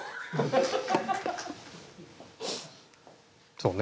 そうね。